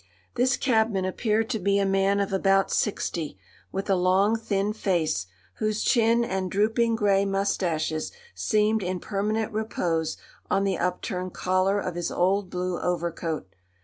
This cabman appeared to be a man of about sixty, with a long, thin face, whose chin and drooping grey moustaches seemed in permanent repose on the up turned collar of his old blue overcoat.